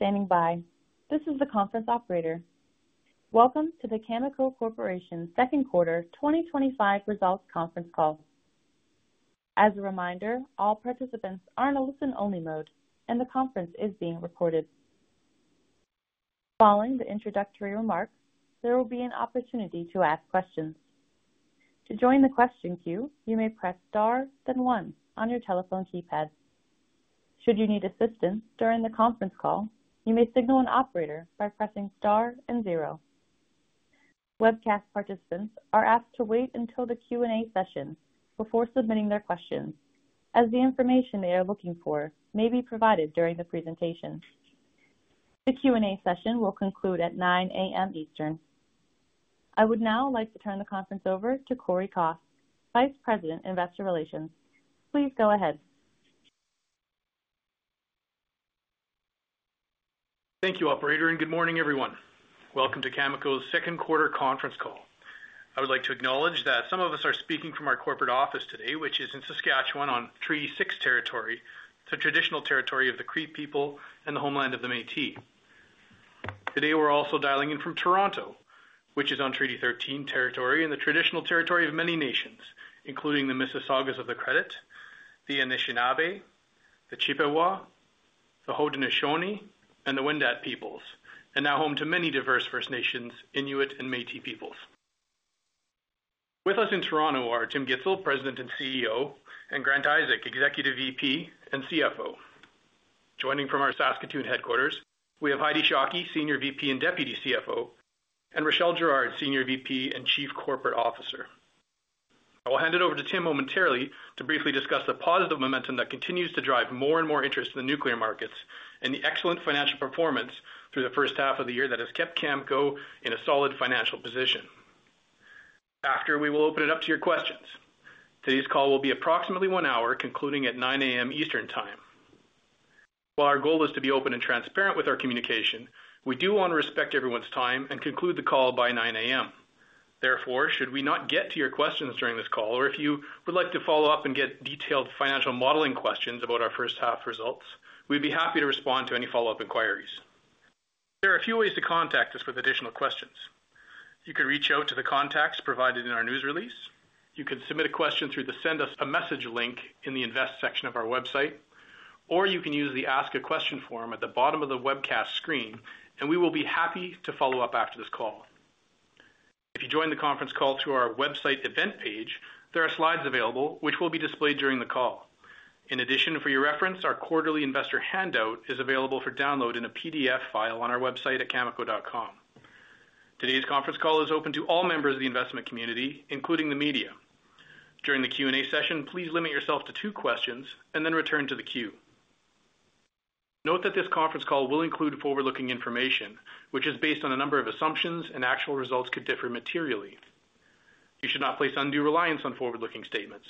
Thank you for standing by. This is the conference operator. Welcome to the Cameco Corporation Second Quarter 2025 Results Conference Call. As a reminder, all participants are in a listen-only mode, and the conference is being recorded. Following the introductory remarks, there will be an opportunity to ask questions. To join the question queue, you may press star, then one, on your telephone keypad. Should you need assistance during the conference call, you may signal an operator by pressing star and zero. Webcast participants are asked to wait until the Q&A session before submitting their questions, as the information they are looking for may be provided during the presentation. The Q&A session will conclude at 9:00 A.M. Eastern. I would now like to turn the conference over to Cory Kos, Vice President, Investor Relations. Please go ahead. Thank you, Operator, and good morning, everyone. Welcome to Cameco's Second Quarter Conference Call. I would like to acknowledge that some of us are speaking from our corporate office today, which is in Saskatchewan on Treaty 6 territory, the traditional territory of the Cree people and the homeland of the Métis. Today, we're also dialing in from Toronto, which is on Treaty 13 territory and the traditional territory of many nations, including the Mississaugas of the Credit, the Anishinaabe, the Chippewa, the Haudenosaunee, and the Wendat peoples, and now home to many diverse First Nations, Inuit, and Métis peoples. With us in Toronto are Tim Gitzel, President and CEO, and Grant Isaac, Executive VP and CFO. Joining from our Saskatoon headquarters, we have Heidi Shockey, Senior VP and Deputy CFO, and Rachelle Girard, Senior VP and Chief Corporate Officer. I will hand it over to Tim momentarily to briefly discuss the positive momentum that continues to drive more and more interest in the nuclear markets and the excellent financial performance through the first half of the year that has kept Cameco in a solid financial position. After, we will open it up to your questions. Today's call will be approximately one hour, concluding at 9:00 A.M. Eastern Time. While our goal is to be open and transparent with our communication, we do want to respect everyone's time and conclude the call by 9:00 A.M. Therefore, should we not get to your questions during this call, or if you would like to follow up and get detailed financial modeling questions about our first half results, we'd be happy to respond to any follow-up inquiries. There are a few ways to contact us with additional questions. You can reach out to the contacts provided in our news release. You can submit a question through the Send Us a Message link in the Invest section of our website, or you can use the Ask a Question form at the bottom of the webcast screen, and we will be happy to follow up after this call. If you join the conference call through our website event page, there are slides available which will be displayed during the call. In addition, for your reference, our quarterly investor handout is available for download in a PDF file on our website at cameco.com. Today's conference call is open to all members of the investment community, including the media. During the Q&A session, please limit yourself to two questions and then return to the queue. Note that this conference call will include forward-looking information, which is based on a number of assumptions, and actual results could differ materially. You should not place undue reliance on forward-looking statements.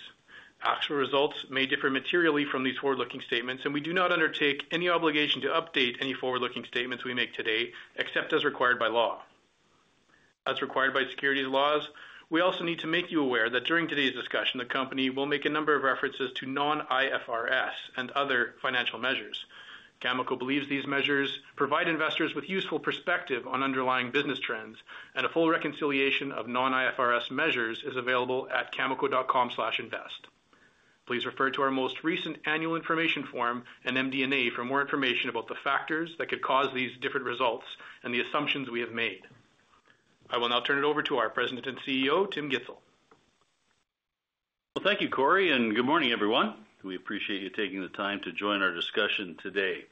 Actual results may differ materially from these forward-looking statements, and we do not undertake any obligation to update any forward-looking statements we make today except as required by law. As required by securities laws, we also need to make you aware that during today's discussion, the company will make a number of references to non-IFRS and other financial measures. Cameco believes these measures provide investors with useful perspective on underlying business trends, and a full reconciliation of non-IFRS measures is available at cameco.com/invest. Please refer to our most recent annual information form and MD&A for more information about the factors that could cause these different results and the assumptions we have made. I will now turn it over to our President and CEO, Tim Gitzel. Thank you, Cory, and good morning, everyone. We appreciate you taking the time to join our discussion today.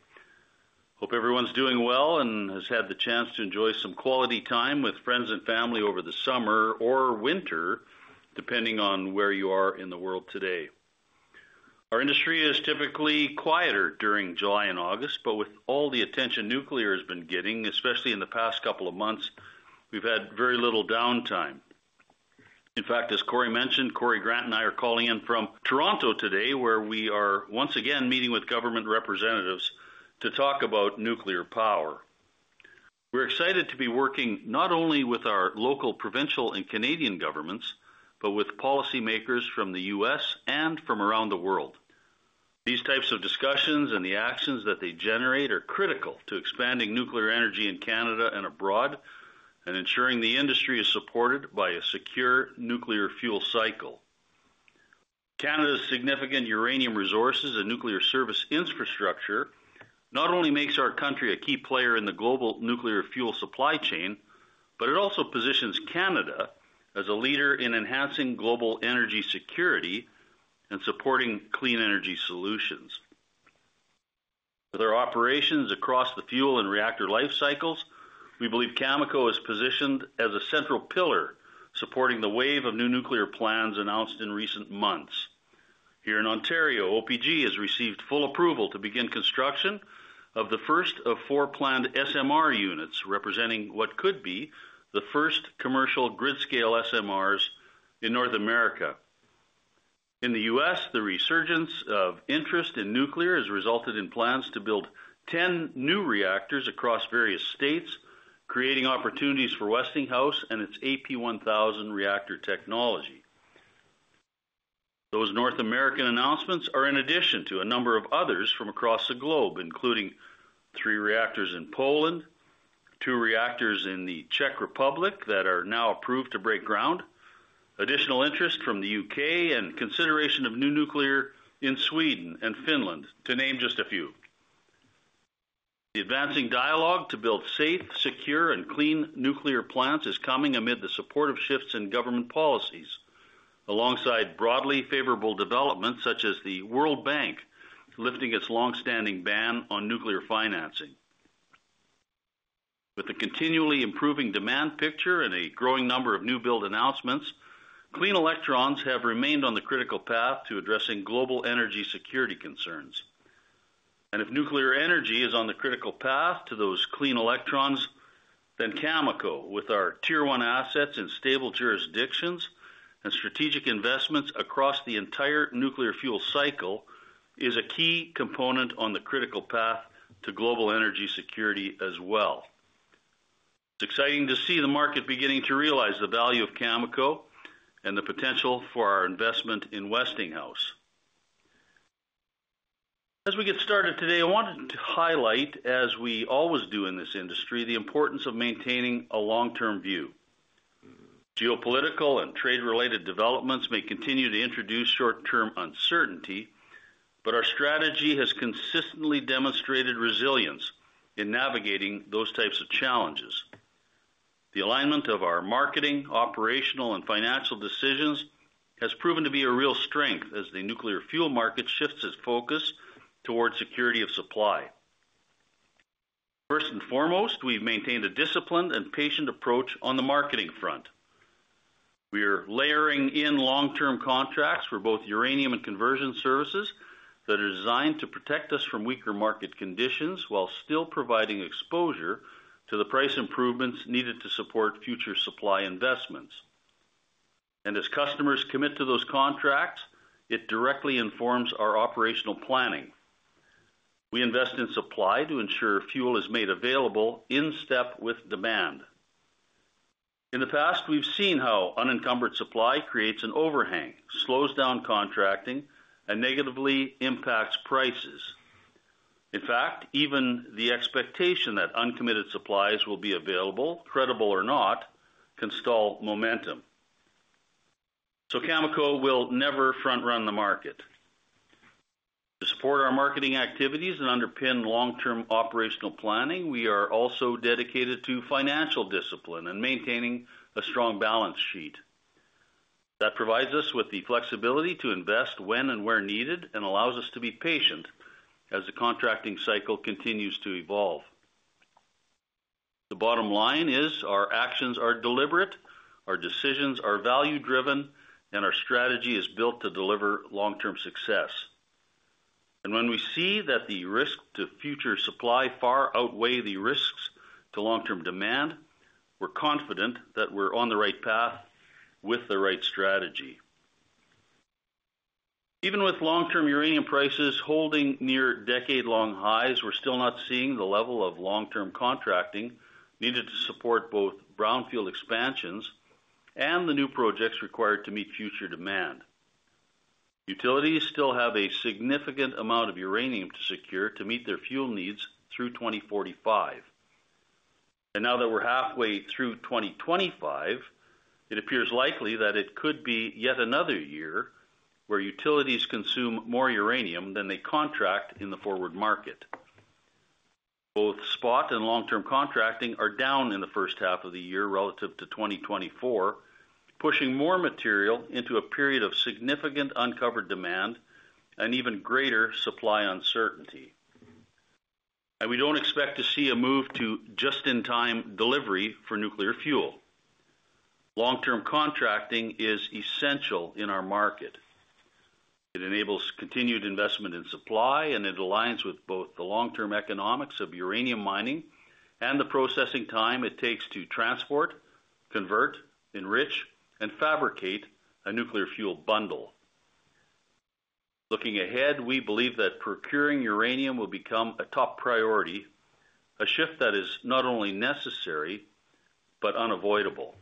Hope everyone's doing well and has had the chance to enjoy some quality time with friends and family over the summer or winter, depending on where you are in the world today. Our industry is typically quieter during July and August, but with all the attention nuclear has been getting, especially in the past couple of months, we've had very little downtime. In fact, as Cory mentioned, Cory, Grant, and I are calling in from Toronto today, where we are once again meeting with government representatives to talk about nuclear power. We're excited to be working not only with our local provincial and Canadian governments, but with policymakers from the U.S. and from around the world. These types of discussions and the actions that they generate are critical to expanding nuclear energy in Canada and abroad and ensuring the industry is supported by a secure nuclear fuel cycle. Canada's significant uranium resources and nuclear service infrastructure not only make our country a key player in the global nuclear fuel supply chain, but it also positions Canada as a leader in enhancing global energy security and supporting clean energy solutions. With our operations across the fuel and reactor life cycles, we believe Cameco is positioned as a central pillar supporting the wave of new nuclear plans announced in recent months. Here in Ontario, OPG has received full approval to begin construction of the first of four planned SMR units, representing what could be the first commercial grid-scale SMRs in North America. In the U.S., the resurgence of interest in nuclear has resulted in plans to build 10 new reactors across various states, creating opportunities for Westinghouse Electric Company and its AP1000 reactor technology. Those North American announcements are in addition to a number of others from across the globe, including three reactors in Poland, two reactors in the Czech Republic that are now approved to break ground, additional interest from the U.K., and consideration of new nuclear in Sweden and Finland, to name just a few. The advancing dialogue to build safe, secure, and clean nuclear plants is coming amid the supportive shifts in government policies, alongside broadly favorable developments such as the World Bank lifting its longstanding ban on nuclear financing. With the continually improving demand picture and a growing number of new build announcements, clean electrons have remained on the critical path to addressing global energy security concerns. If nuclear energy is on the critical path to those clean electrons, then Cameco, with our tier-one assets in stable jurisdictions and strategic investments across the entire nuclear fuel cycle, is a key component on the critical path to global energy security as well. It's exciting to see the market beginning to realize the value of Cameco and the potential for our investment in Westinghouse. As we get started today, I wanted to highlight, as we always do in this industry, the importance of maintaining a long-term view. Geopolitical and trade-related developments may continue to introduce short-term uncertainty, but our strategy has consistently demonstrated resilience in navigating those types of challenges. The alignment of our marketing, operational, and financial decisions has proven to be a real strength as the nuclear fuel market shifts its focus toward security of supply. First and foremost, we've maintained a disciplined and patient approach on the marketing front. We are layering in long-term contracts for both uranium and conversion services that are designed to protect us from weaker market conditions while still providing exposure to the price improvements needed to support future supply investments. As customers commit to those contracts, it directly informs our operational planning. We invest in supply to ensure fuel is made available in step with demand. In the past, we've seen how unencumbered supply creates an overhang, slows down contracting, and negatively impacts prices. In fact, even the expectation that uncommitted supplies will be available, credible or not, can stall momentum. Cameco will never front-run the market. To support our marketing activities and underpin long-term operational planning, we are also dedicated to financial discipline and maintaining a strong balance sheet. That provides us with the flexibility to invest when and where needed and allows us to be patient as the contracting cycle continues to evolve. The bottom line is our actions are deliberate, our decisions are value-driven, and our strategy is built to deliver long-term success. When we see that the risk to future supply far outweighs the risks to long-term demand, we're confident that we're on the right path with the right strategy. Even with long-term uranium prices holding near decade-long highs, we're still not seeing the level of long-term contracting needed to support both brownfield expansions and the new projects required to meet future demand. Utilities still have a significant amount of uranium to secure to meet their fuel needs through 2045. Now that we're halfway through 2025, it appears likely that it could be yet another year where utilities consume more uranium than they contract in the forward market. Both spot and long-term contracting are down in the first half of the year relative to 2024, pushing more material into a period of significant uncovered demand and even greater supply uncertainty. We don't expect to see a move to just-in-time delivery for nuclear fuel. Long-term contracting is essential in our market. It enables continued investment in supply, and it aligns with both the long-term economics of uranium mining and the processing time it takes to transport, convert, enrich, and fabricate a nuclear fuel bundle. Looking ahead, we believe that procuring uranium will become a top priority, a shift that is not only necessary but unavoidable.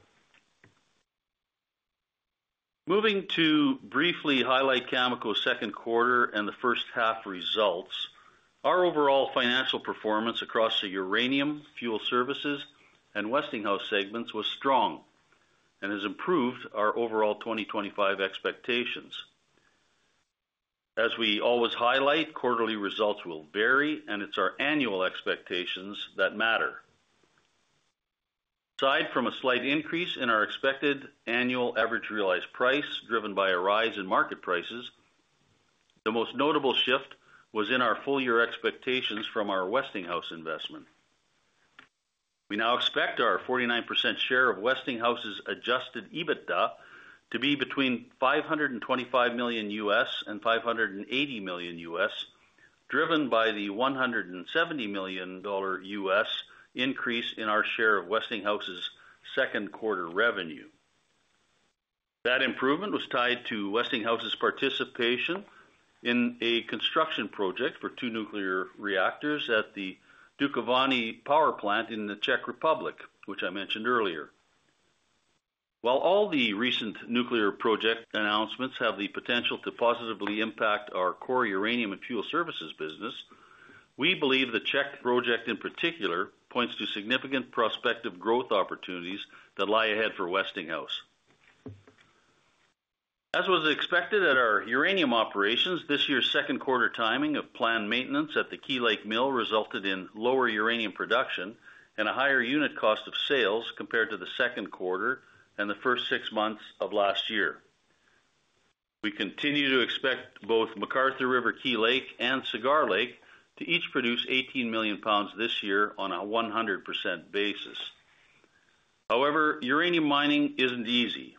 Moving to briefly highlight Cameco's second quarter and the first half results, our overall financial performance across the uranium, fuel services, and Westinghouse segments was strong and has improved our overall 2025 expectations. As we always highlight, quarterly results will vary, and it's our annual expectations that matter. Aside from a slight increase in our expected annual average realized price driven by a rise in market prices, the most notable shift was in our full-year expectations from our Westinghouse investment. We now expect our 49% share of Westinghouse's adjusted EBITDA to be between $525 million U.S. and $580 million U.S., driven by the $170 million U.S. increase in our share of Westinghouse's second quarter revenue. That improvement was tied to Westinghouse's participation in a construction project for two nuclear reactors at the Dukovany Power Plant in the Czech Republic, which I mentioned earlier. While all the recent nuclear project announcements have the potential to positively impact our core uranium and fuel services business, we believe the Czech project in particular points to significant prospective growth opportunities that lie ahead for Westinghouse. As was expected at our uranium operations, this year's second quarter timing of planned maintenance at the Key Lake Mill resulted in lower uranium production and a higher unit cost of sales compared to the second quarter and the first six months of last year. We continue to expect both McArthur River/Key Lake, and Cigar Lake to each produce 18 million pounds this year on a 100% basis. However, uranium mining isn't easy.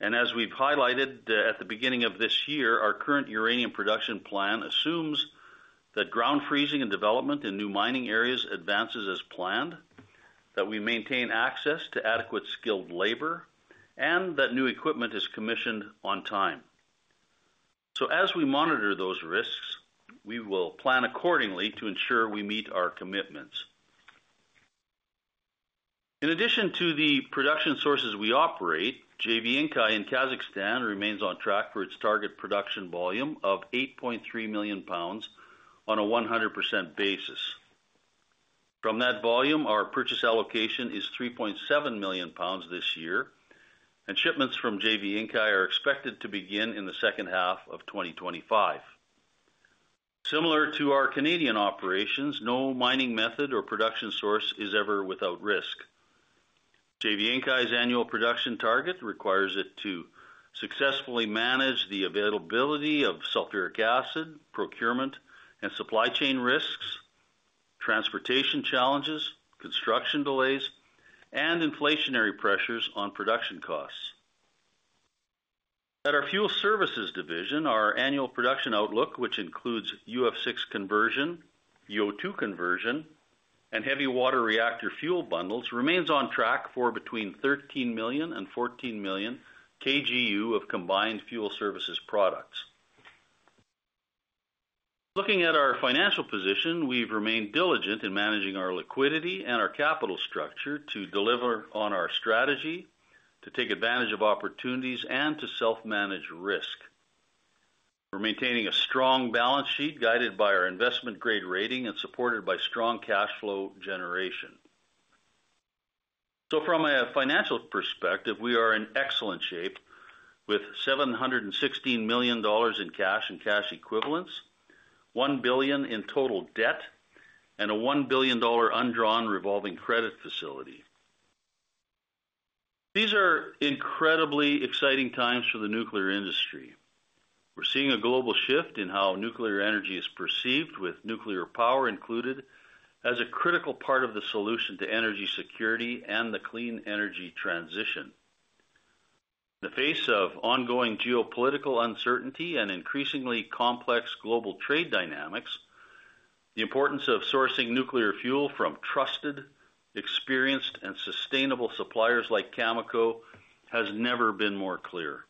As we've highlighted at the beginning of this year, our current uranium production plan assumes that ground freezing and development in new mining areas advances as planned, that we maintain access to adequate skilled labor, and that new equipment is commissioned on time. As we monitor those risks, we will plan accordingly to ensure we meet our commitments. In addition to the production sources we operate, JV Inkai in Kazakhstan remains on track for its target production volume of 8.3 million pounds on a 100% basis. From that volume, our purchase allocation is 3.7 million pounds this year, and shipments from JV Inkai are expected to begin in the second half of 2025. Similar to our Canadian operations, no mining method or production source is ever without risk. JV Inkai's annual production target requires it to successfully manage the availability of sulfuric acid, procurement and supply chain risks, transportation challenges, construction delays, and inflationary pressures on production costs. At our fuel services division, our annual production outlook, which includes UF6 conversion, UO2 conversion, and heavy water reactor fuel bundles, remains on track for between 13 million and 14 million kgU of combined fuel services products. Looking at our financial position, we've remained diligent in managing our liquidity and our capital structure to deliver on our strategy, to take advantage of opportunities, and to self-manage risk. We're maintaining a strong balance sheet guided by our investment-grade rating and supported by strong cash flow generation. From a financial perspective, we are in excellent shape with $716 million in cash and cash equivalents, $1 billion in total debt, and a $1 billion undrawn revolving credit facility. These are incredibly exciting times for the nuclear industry. We're seeing a global shift in how nuclear energy is perceived, with nuclear power included as a critical part of the solution to energy security and the clean energy transition. In the face of ongoing geopolitical uncertainty and increasingly complex global trade dynamics, the importance of sourcing nuclear fuel from trusted, experienced, and sustainable suppliers like Cameco has never been more clear.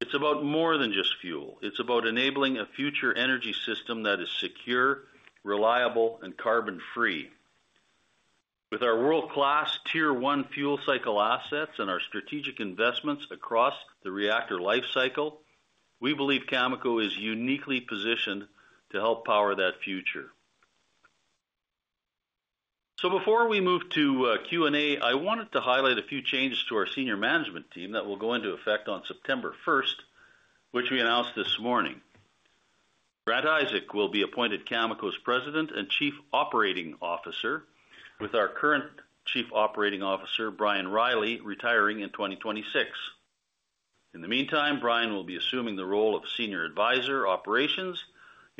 It's about more than just fuel. It's about enabling a future energy system that is secure, reliable, and carbon-free. With our world-class tier-one fuel cycle assets and our strategic investments across the reactor life cycle, we believe Cameco is uniquely positioned to help power that future. Before we move to Q&A, I wanted to highlight a few changes to our Senior Management Team that will go into effect on September 1, which we announced this morning. Grant Isaac will be appointed Cameco's President and Chief Operating Officer, with our current Chief Operating Officer, Brian Reilly, retiring in 2026. In the meantime, Brian will be assuming the role of Senior Advisor, Operations in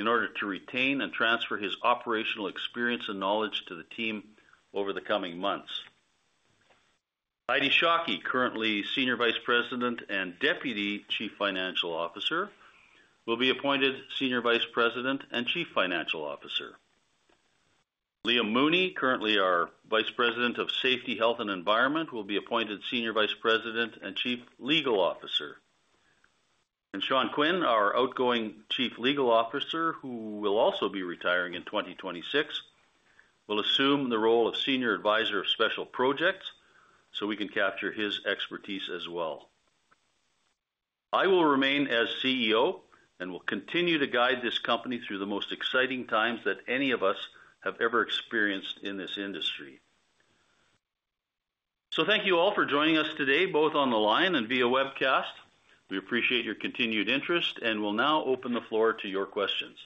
order to retain and transfer his operational experience and knowledge to the team over the coming months. Heidi Shockey, currently Senior Vice President and Deputy Chief Financial Officer, will be appointed Senior Vice President and Chief Financial Officer. Leah Mooney, currently our Vice President of Safety, Health, and Environment, will be appointed Senior Vice President and Chief Legal Officer. Sean Quinn, our outgoing Chief Legal Officer, who will also be retiring in 2026, will assume the role of Senior Advisor, Special Projects so we can capture his expertise as well. I will remain as CEO and will continue to guide this company through the most exciting times that any of us have ever experienced in this industry. Thank you all for joining us today, both on the line and via webcast. We appreciate your continued interest and will now open the floor to your questions.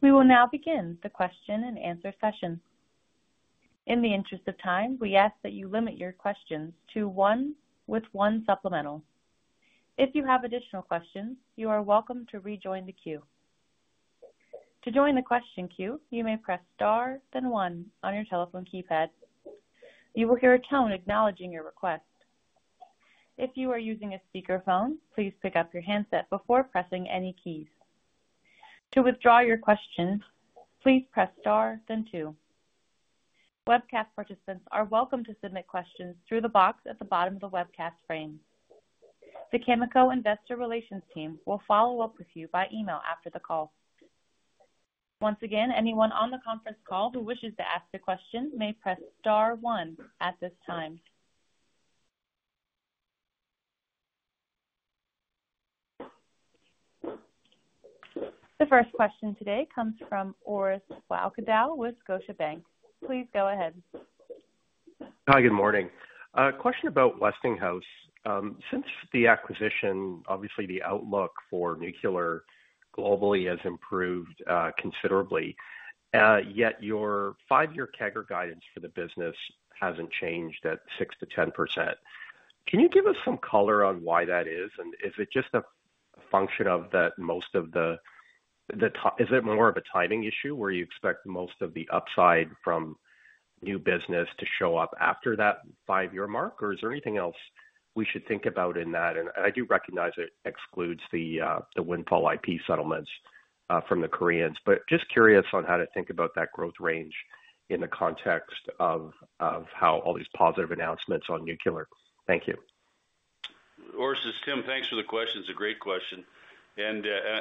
We will now begin the question and answer session. In the interest of time, we ask that you limit your questions to one with one supplemental. If you have additional questions, you are welcome to rejoin the queue. To join the question queue, you may press star, then one on your telephone keypad. You will hear a tone acknowledging your request. If you are using a speakerphone, please pick up your handset before pressing any keys. To withdraw your question, please press star, then two. Webcast participants are welcome to submit questions through the box at the bottom of the webcast frame. The Cameco Investor Relations team will follow up with you by email after the call. Once again, anyone on the conference call who wishes to ask a question may press star, one at this time. The first question today comes from Orest Wowkodaw with Scotiabank Global Banking and Markets. Please go ahead. Hi, good morning. Question about Westinghouse Electric Company. Since the acquisition, obviously the outlook for nuclear globally has improved considerably. Yet your five-year CAGR guidance for the business hasn't changed at 6% to 10%. Can you give us some color on why that is? Is it just a function of that most of the, is it more of a timing issue where you expect most of the upside from new business to show up after that five-year mark? Is there anything else we should think about in that? I do recognize it excludes the windfall IP settlements from the Koreans, but just curious on how to think about that growth range in the context of how all these positive announcements on nuclear. Thank you. Orest, it's Tim. Thanks for the question. It's a great question. We're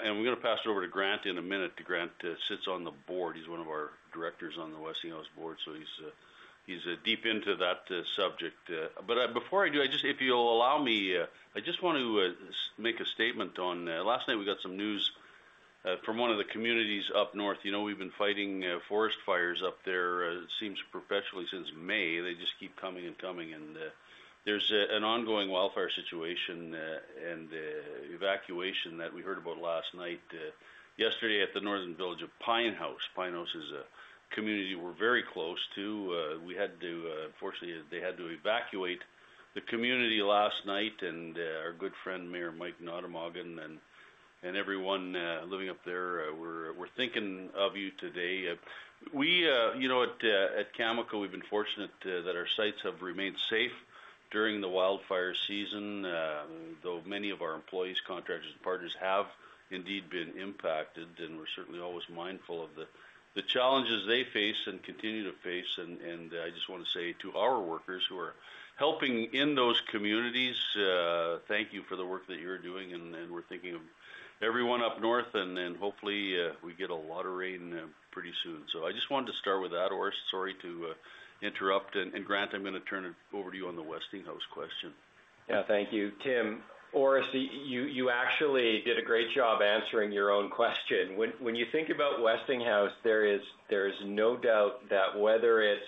going to pass it over to Grant in a minute. Grant sits on the board. He's one of our directors on the Westinghouse Electric Company board, so he's deep into that subject. Before I do, if you'll allow me, I just want to make a statement on last night we got some news from one of the communities up north. We've been fighting forest fires up there, seems perpetually since May. They just keep coming and coming. There's an ongoing wildfire situation and evacuation that we heard about last night. Yesterday at the Northern Village of Pinehouse. Pinehouse is a community we're very close to. Unfortunately, they had to evacuate the community last night. Our good friend, Mayor Mike Natomagan and everyone living up there, we're thinking of you today. At Cameco, we've been fortunate that our sites have remained safe during the wildfire season, though many of our employees, contractors, and partners have indeed been impacted. We're certainly always mindful of the challenges they face and continue to face. I just want to say to our workers who are helping in those communities, thank you for the work that you're doing. We're thinking of everyone up north, and hopefully we get a lot of rain pretty soon. I just wanted to start with that, Orest. Sorry to interrupt. Grant, I'm going to turn it over to you on the Westinghouse Electric Company question. Yeah, thank you. Tim, Orest, you actually did a great job answering your own question. When you think about Westinghouse, there is no doubt that whether it's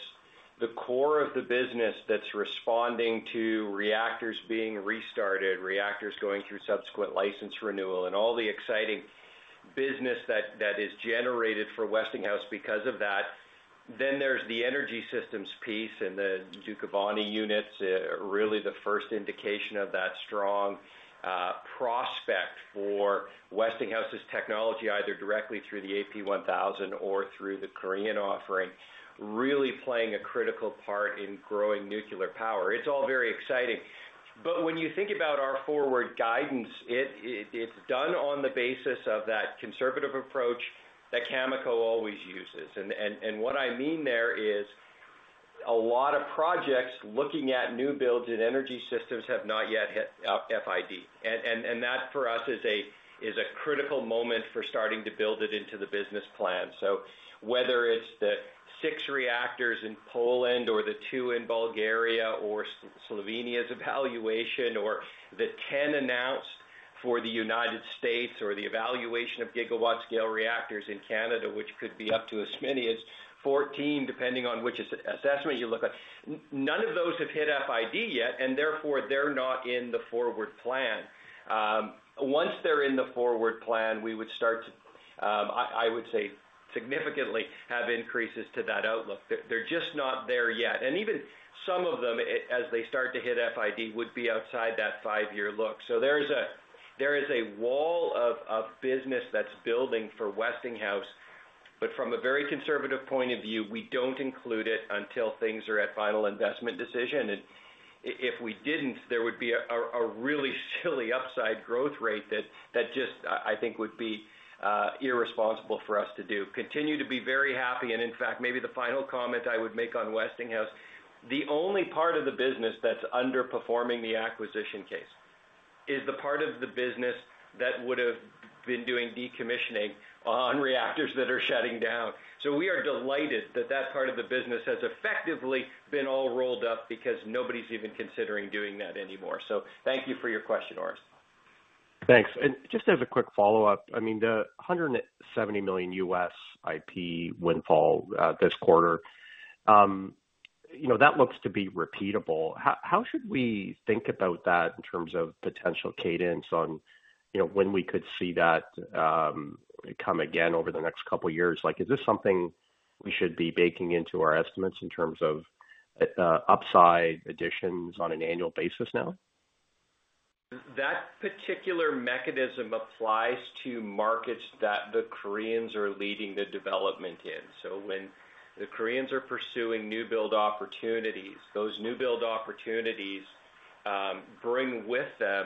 the core of the business that's responding to reactors being restarted, reactors going through subsequent license renewal, and all the exciting business that is generated for Westinghouse because of that, then there's the energy systems piece and the Dukovany units, really the first indication of that strong prospect for Westinghouse's technology, either directly through the AP1000 or through the Korean offering, really playing a critical part in growing nuclear power. It's all very exciting. When you think about our forward guidance, it's done on the basis of that conservative approach that Cameco always uses. What I mean there is a lot of projects looking at new builds in energy systems have not yet hit FID, and that for us is a critical moment for starting to build it into the business plan. Whether it's the six reactors in Poland or the two in Bulgaria or Slovenia's evaluation or the 10 announced for the United States or the evaluation of gigawatt-scale reactors in Canada, which could be up to as many as 14, depending on which assessment you look at, none of those have hit FID yet, and therefore they're not in the forward plan. Once they're in the forward plan, we would start to, I would say, significantly have increases to that outlook. They're just not there yet. Even some of them, as they start to hit FID, would be outside that five-year look. There is a wall of business that's building for Westinghouse, but from a very conservative point of view, we don't include it until things are at final investment decision. If we didn't, there would be a really silly upside growth rate that just, I think, would be irresponsible for us to do. Continue to be very happy. In fact, maybe the final comment I would make on Westinghouse, the only part of the business that's underperforming the acquisition case is the part of the business that would have been doing decommissioning on reactors that are shutting down. We are delighted that that part of the business has effectively been all rolled up because nobody's even considering doing that anymore. Thank you for your question, Orest. Thanks. Just as a quick follow-up, I mean, the $170 million U.S. IP windfall this quarter, that looks to be repeatable. How should we think about that in terms of potential cadence on when we could see that come again over the next couple of years? Is this something we should be baking into our estimates in terms of upside additions on an annual basis now? That particular mechanism applies to markets that the Koreans are leading the development in. When the Koreans are pursuing new build opportunities, those new build opportunities bring with them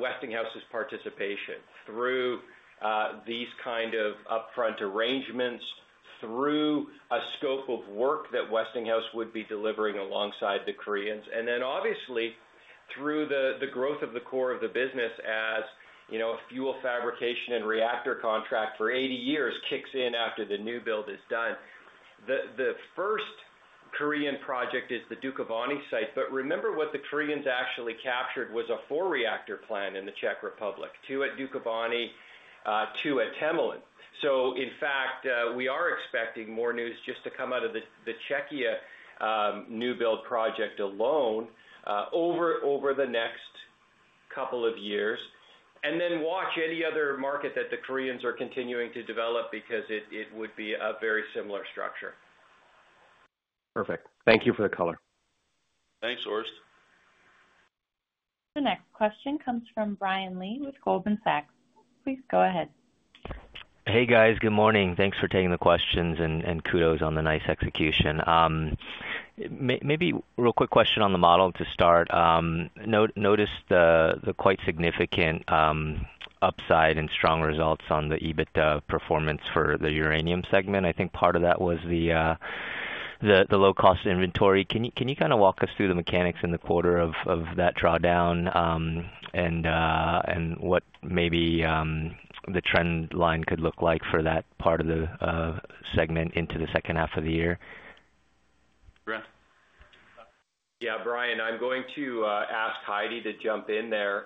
Westinghouse's participation through these kind of upfront arrangements, through a scope of work that Westinghouse would be delivering alongside the Koreans, and then obviously through the growth of the core of the business as fuel fabrication and reactor contract for 80 years kicks in after the new build is done. The first Korean project is the Dukovany site, but remember what the Koreans actually captured was a four-reactor plant in the Czech Republic, two at Dukovany, two at Temelin. In fact, we are expecting more news just to come out of the Czechia new build project alone over the next couple of years. Watch any other market that the Koreans are continuing to develop because it would be a very similar structure. Perfect. Thank you for the color. Thanks, Orest. The next question comes from Brian Lee with Goldman Sachs. Please go ahead. Hey, guys. Good morning. Thanks for taking the questions and kudos on the nice execution. Maybe real quick question on the model to start. Noticed the quite significant upside and strong results on the EBITDA performance for the uranium segment. I think part of that was the low-cost inventory. Can you kind of walk us through the mechanics in the quarter of that drawdown and what maybe the trend line could look like for that part of the segment into the second half of the year? Grant? Yeah, Brian, I'm going to ask Heidi to jump in there.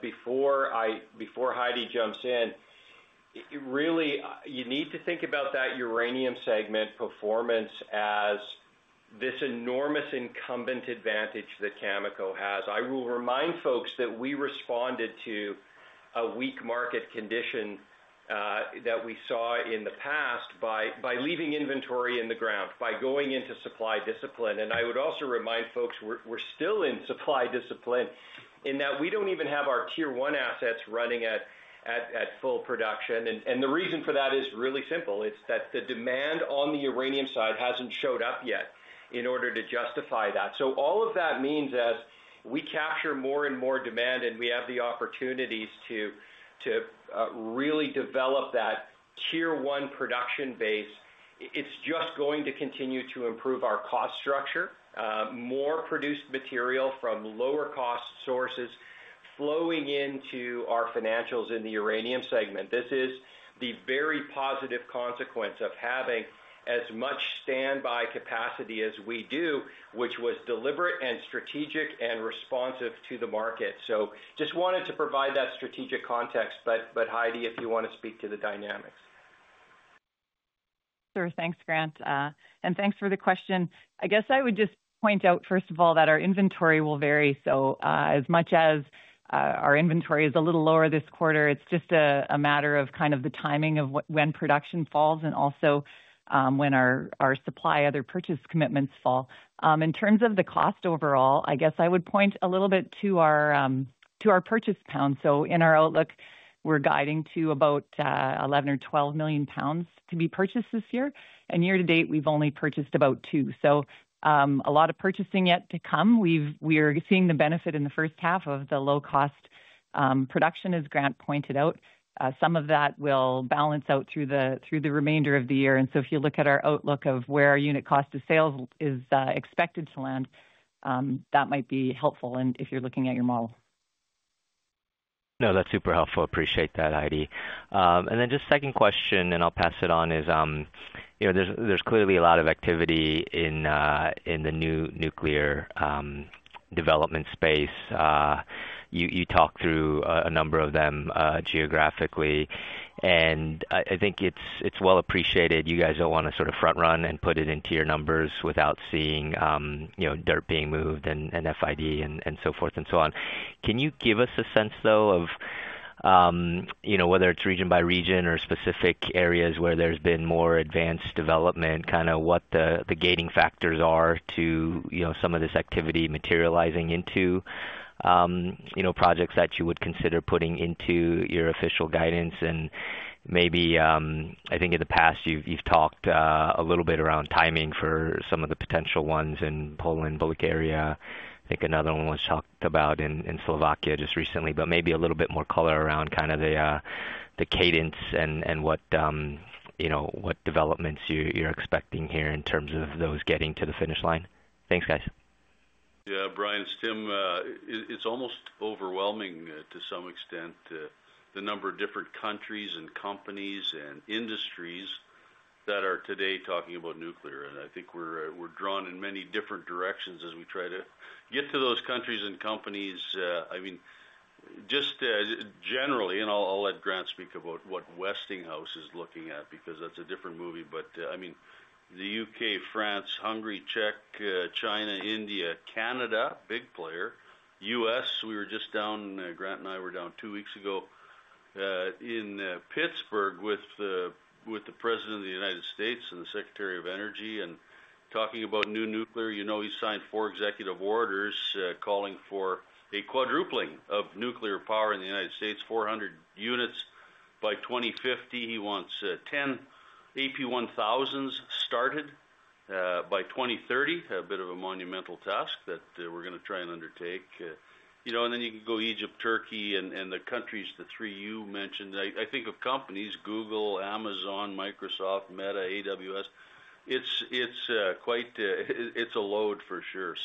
Before Heidi jumps in, really, you need to think about that uranium segment performance as this enormous incumbent advantage that Cameco has. I will remind folks that we responded to a weak market condition that we saw in the past by leaving inventory in the ground, by going into supply discipline. I would also remind folks we're still in supply discipline in that we don't even have our tier one assets running at full production. The reason for that is really simple. It's that the demand on the uranium side hasn't showed up yet in order to justify that. All of that means as we capture more and more demand and we have the opportunities to really develop that tier one production base, it's just going to continue to improve our cost structure. More produced material from lower-cost sources flowing into our financials in the uranium segment. This is the very positive consequence of having as much standby capacity as we do, which was deliberate, strategic, and responsive to the market. I just wanted to provide that strategic context. Heidi, if you want to speak to the dynamics. Sure. Thanks, Grant. Thanks for the question. I would just point out, first of all, that our inventory will vary. As much as our inventory is a little lower this quarter, it's just a matter of the timing of when production falls and also when our supply, other purchase commitments, fall. In terms of the cost overall, I would point a little bit to our purchase pounds. In our outlook, we're guiding to about 11 or 12 million pounds to be purchased this year, and year-to -date, we've only purchased about 2 million. A lot of purchasing yet to come. We are seeing the benefit in the first half of the low-cost production, as Grant pointed out. Some of that will balance out through the remainder of the year. If you look at our outlook of where our unit cost of sales is expected to land, that might be helpful if you're looking at your model. No, that's super helpful. Appreciate that, Heidi. The second question, and I'll pass it on, is there's clearly a lot of activity in the new nuclear development space. You talked through a number of them geographically, and I think it's well appreciated you guys don't want to sort of front-run and put it into your numbers without seeing dirt being moved and FID and so forth and so on. Can you give us a sense, though, of whether it's region by region or specific areas where there's been more advanced development, kind of what the gating factors are to some of this activity materializing into projects that you would consider putting into your official guidance? Maybe, I think in the past, you've talked a little bit around timing for some of the potential ones in Poland, Bulgaria. I think another one was talked about in Slovakia just recently, but maybe a little bit more color around the cadence and what developments you're expecting here in terms of those getting to the finish line. Thanks, guys. Yeah, Brian it's Tim, it's almost overwhelming to some extent the number of different countries and companies and industries that are today talking about nuclear. I think we're drawn in many different directions as we try to get to those countries and companies. Generally, I'll let Grant Isaac speak about what Westinghouse Electric Company is looking at because that's a different movie. The UK, France, Hungary, Czech Republic, China, India, Canada, big player, U.S.—we were just down, Grant Isaac and I were down two weeks ago in Pittsburgh with the President of the United States and the Secretary of Energy and talking about new nuclear. He signed four executive orders calling for a quadrupling of nuclear power in the United States, 400 units by 2050. He wants 10 AP1000s started by 2030, a bit of a monumental task that we're going to try and undertake. You can go Egypt, Turkey, and the countries, the three you mentioned. I think of companies: Google, Amazon, Microsoft, Meta, AWS. It's a load for sure.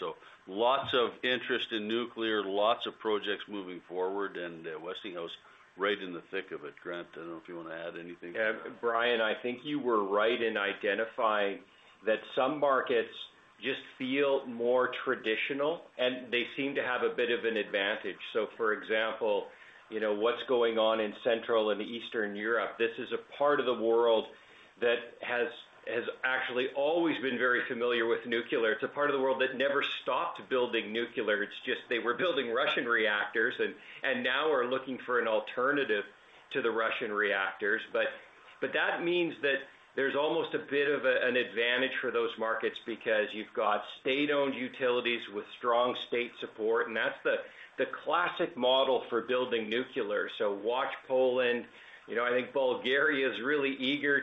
Lots of interest in nuclear, lots of projects moving forward, and Westinghouse Electric Company right in the thick of it. Grant, I don't know if you want to add anything. Brian, I think you were right in identifying that some markets just feel more traditional, and they seem to have a bit of an advantage. For example, what's going on in Central and Eastern Europe, this is a part of the world that has actually always been very familiar with nuclear. It's a part of the world that never stopped building nuclear. It's just they were building Russian reactors and now are looking for an alternative to the Russian reactors. That means there's almost a bit of an advantage for those markets because you've got state-owned utilities with strong state support, and that's the classic model for building nuclear. Watch Poland. I think Bulgaria is really eager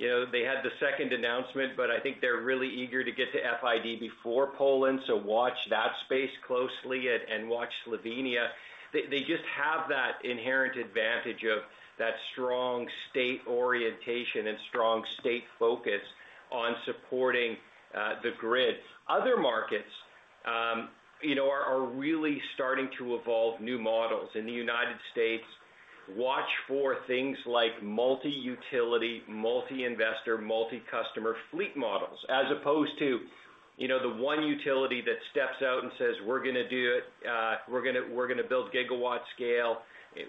to—they had the second announcement, but I think they're really eager to get to FID before Poland. Watch that space closely and watch Slovenia. They just have that inherent advantage of that strong state orientation and strong state focus on supporting the grid. Other markets are really starting to evolve new models. In the United States, watch for things like multi-utility, multi-investor, multi-customer fleet models, as opposed to the one utility that steps out and says, "We're going to do it. We're going to build gigawatt scale."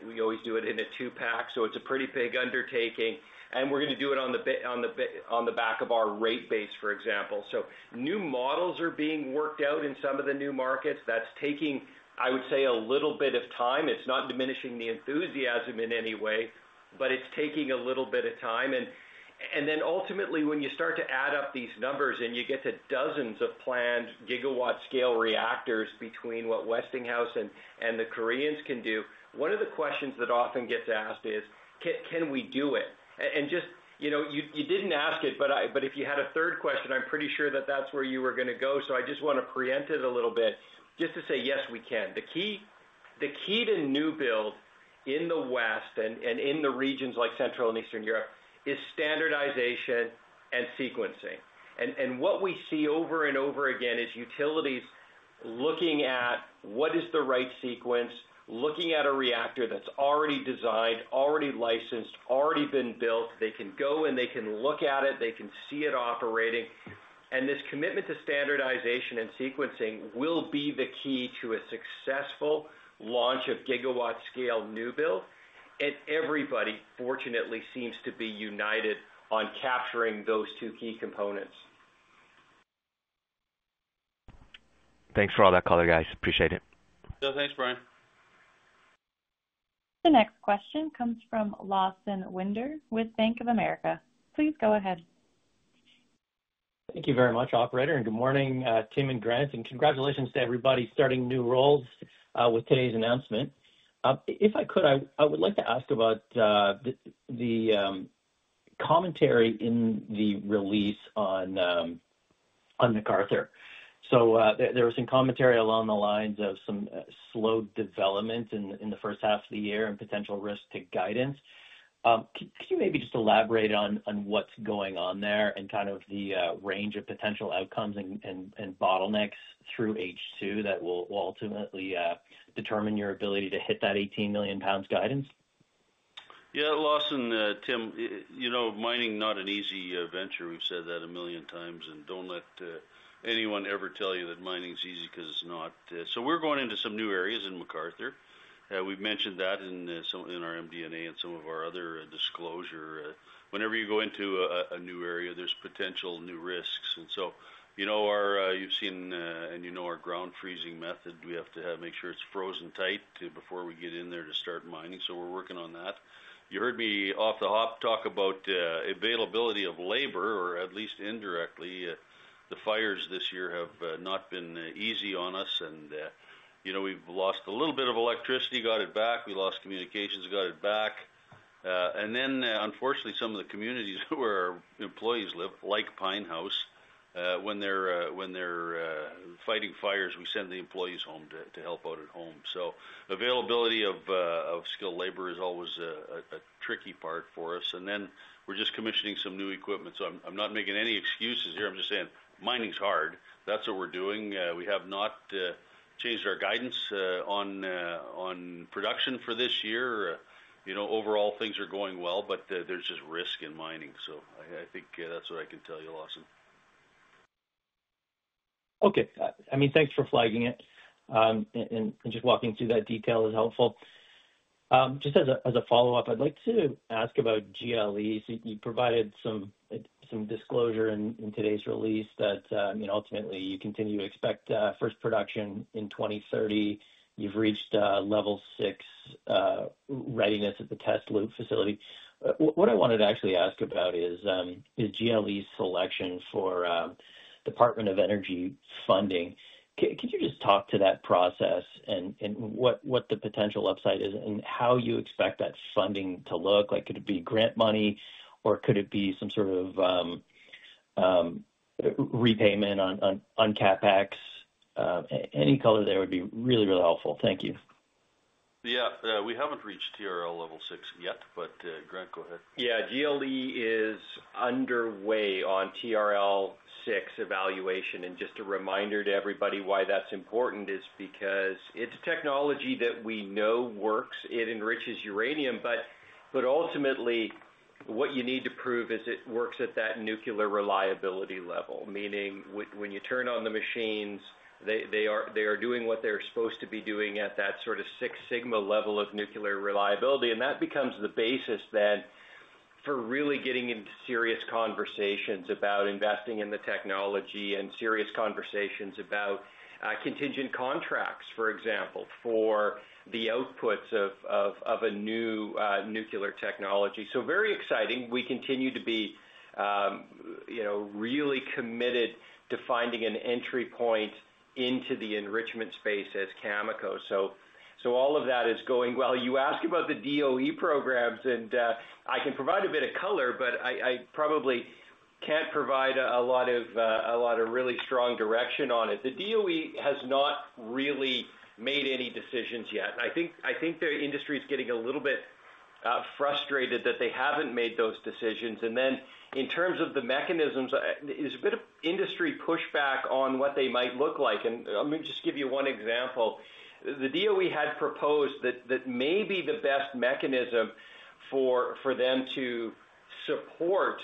We always do it in a two-pack. It's a pretty big undertaking, and we're going to do it on the back of our rate base, for example. New models are being worked out in some of the new markets. That's taking, I would say, a little bit of time. It's not diminishing the enthusiasm in any way, but it's taking a little bit of time. Ultimately, when you start to add up these numbers and you get to dozens of planned gigawatt-scale reactors between what Westinghouse Electric Company and the Koreans can do, one of the questions that often gets asked is, "Can we do it?" You didn't ask it, but if you had a third question, I'm pretty sure that's where you were going to go. I just want to preempt it a little bit just to say, "Yes, we can." The key to new build in the West and in regions like Central and Eastern Europe is standardization and sequencing. What we see over and over again is utilities looking at what is the right sequence, looking at a reactor that's already designed, already licensed, already been built. They can go and they can look at it. They can see it operating. This commitment to standardization and sequencing will be the key to a successful launch of gigawatt-scale new build. Everybody, fortunately, seems to be united on capturing those two key components. Thanks for all that color, guys. Appreciate it. No, thanks, Brian. The next question comes from Lawson Winder with Bank of America. Please go ahead. Thank you very much, operator. Good morning, Tim and Grant. Congratulations to everybody starting new roles with today's announcement. If I could, I would like to ask about the commentary in the release on MacArthur. There was some commentary along the lines of some slow development in the first half of the year and potential risk to guidance. Could you maybe just elaborate on what's going on there and the range of potential outcomes and bottlenecks through H2 that will ultimately determine your ability to hit that 18 million pounds guidance? Yeah, Lawson, Tim. Mining, not an easy venture. We've said that a million times. Don't let anyone ever tell you that mining is easy because it's not. We're going into some new areas in McArthur. We've mentioned that in our MD&A and some of our other disclosure. Whenever you go into a new area, there's potential new risks. You've seen and you know our ground freezing method. We have to make sure it's frozen tight before we get in there to start mining. We're working on that. You heard me off the hop talk about availability of labor, or at least indirectly. The fires this year have not been easy on us. We've lost a little bit of electricity, got it back. We lost communications, got it back. Unfortunately, some of the communities where our employees live, like Pine House, when they're fighting fires, we send the employees home to help out at home. Availability of skilled labor is always a tricky part for us. We're just commissioning some new equipment. I'm not making any excuses here. I'm just saying mining is hard. That's what we're doing. We have not changed our guidance on production for this year. Overall, things are going well, but there's just risk in mining. I think that's what I can tell you, Lawson. Thanks for flagging it, and just walking through that detail is helpful. Just as a follow-up, I'd like to ask about GLE. You provided some disclosure in today's release that ultimately you continue to expect first production in 2030. You've reached level six readiness at the test loop facility. What I wanted to actually ask about is GLE selection for Department of Energy funding. Could you just talk to that process and what the potential upside is and how you expect that funding to look? Could it be grant money, or could it be some sort of repayment on CapEx? Any color there would be really, really helpful. Thank you. We haven't reached TRL level six yet, but Grant, go ahead. GLE is underway on TRL6 evaluation. Just a reminder to everybody why that's important is because it's a technology that we know works. It enriches uranium. Ultimately, what you need to prove is it works at that nuclear reliability level, meaning when you turn on the machines, they are doing what they're supposed to be doing at that sort of six sigma level of nuclear reliability. That becomes the basis then for really getting into serious conversations about investing in the technology and serious conversations about contingent contracts, for example, for the outputs of a new nuclear technology. Very exciting. We continue to be really committed to finding an entry point into the enrichment space as Cameco. All of that is going well. You ask about the DOE programs, and I can provide a bit of color, but I probably can't provide a lot of really strong direction on it. The DOE has not really made any decisions yet. I think the industry is getting a little bit frustrated that they haven't made those decisions. In terms of the mechanisms, there's a bit of industry pushback on what they might look like. Let me just give you one example. The DOE had proposed that maybe the best mechanism for them to support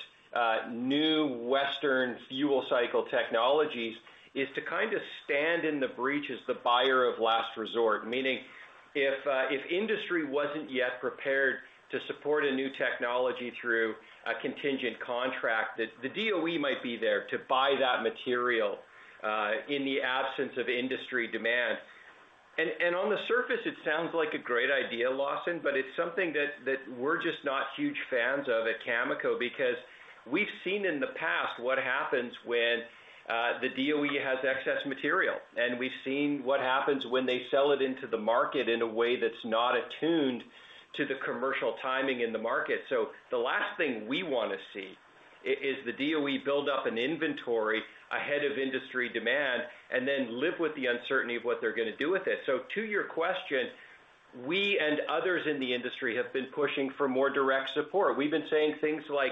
new Western fuel cycle technologies is to kind of stand in the breach as the buyer of last resort, meaning if industry wasn't yet prepared to support a new technology through a contingent contract, the DOE might be there to buy that material in the absence of industry demand. On the surface, it sounds like a great idea, Lawson, but it's something that we're just not huge fans of at Cameco because we've seen in the past what happens when the DOE has excess material. We've seen what happens when they sell it into the market in a way that's not attuned to the commercial timing in the market. The last thing we want to see is the DOE build up an inventory ahead of industry demand and then live with the uncertainty of what they're going to do with it. To your question, we and others in the industry have been pushing for more direct support. We've been saying things like,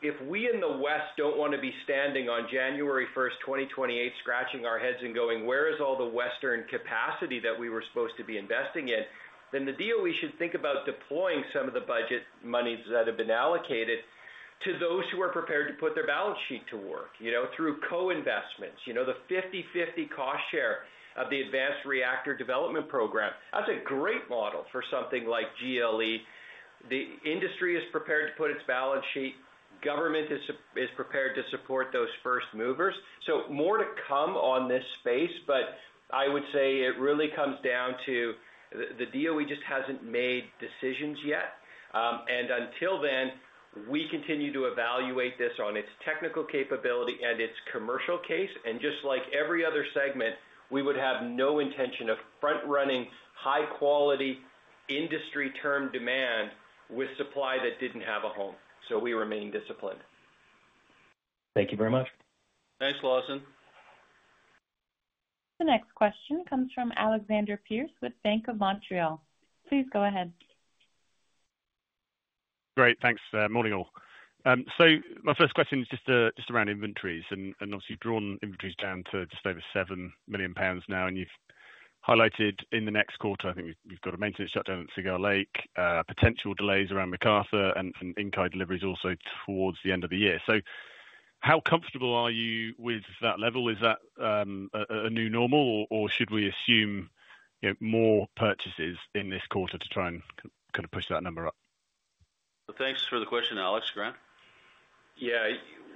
If we in the West don't want to be standing on January 1, 2028, scratching our heads and going, "Where is all the Western capacity that we were supposed to be investing in?'" then the DOE should think about deploying some of the budget monies that have been allocated to those who are prepared to put their balance sheet to work through co-investments, the 50-50 cost share of the advanced reactor development program. That's a great model for something like GLE. The industry is prepared to put its balance sheet. Government is prepared to support those first movers. More to come on this space, but I would say it really comes down to the DOE just hasn't made decisions yet. Until then, we continue to evaluate this on its technical capability and its commercial case. Just like every other segment, we would have no intention of front-running high-quality industry-term demand with supply that didn't have a home. We remain disciplined. Thank you very much. Thanks, Lawson. The next question comes from Alexander Pearce with Bank of Montreal. Please go ahead. Great. Thanks. Morning all. My first question is just around inventories. Obviously, you've drawn inventories down to just over 7 million pounds now. You've highlighted in the next quarter, I think we've got a maintenance shutdown at Cigar Lake, potential delays around McArthur, and Inkai deliveries also towards the end of the year. How comfortable are you with that level? Is that a new normal, or should we assume more purchases in this quarter to try and kind of push that number up? Thanks for the question, Alex. Grant?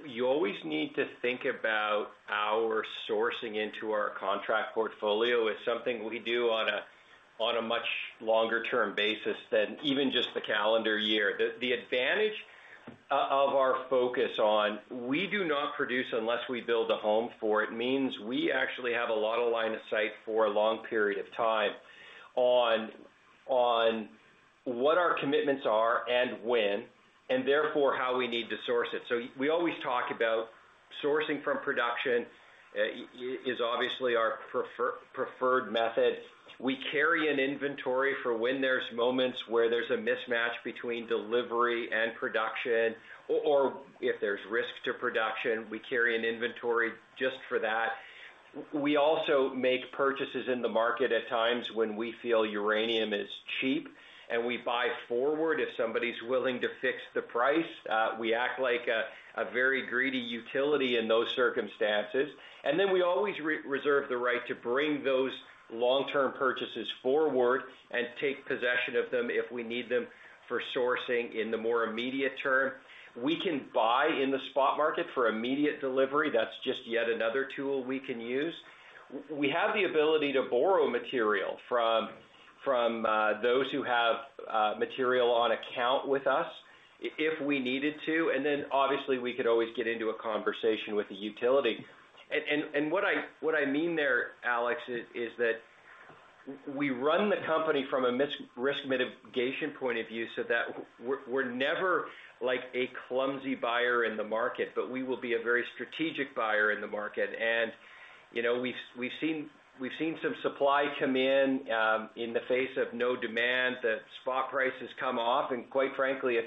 You always need to think about our sourcing into our contract portfolio. It's something we do on a much longer-term basis than even just the calendar year. The advantage of our focus on, we do not produce unless we build a home for it, means we actually have a lot of line of sight for a long period of time on what our commitments are and when, and therefore how we need to source it. We always talk about sourcing from production. That is obviously our preferred method. We carry an inventory for when there's moments where there's a mismatch between delivery and production, or if there's risk to production, we carry an inventory just for that. We also make purchases in the market at times when we feel uranium is cheap, and we buy forward if somebody's willing to fix the price. We act like a very greedy utility in those circumstances. We always reserve the right to bring those long-term purchases forward and take possession of them if we need them for sourcing in the more immediate term. We can buy in the spot market for immediate delivery. That's just yet another tool we can use. We have the ability to borrow material from those who have material on account with us if we needed to. Obviously, we could always get into a conversation with the utility. What I mean there, Alex, is that we run the company from a risk mitigation point of view so that we're never like a clumsy buyer in the market, but we will be a very strategic buyer in the market. We've seen some supply come in in the face of no demand that spot prices come off. Quite frankly, if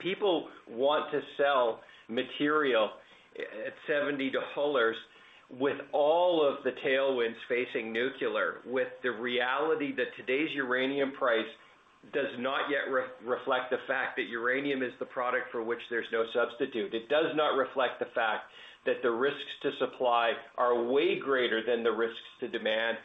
people want to sell material at $70 with all of the tailwinds facing nuclear, with the reality that today's uranium price does not yet reflect the fact that uranium is the product for which there's no substitute. It does not reflect the fact that the risks to supply are way greater than the risks to demand.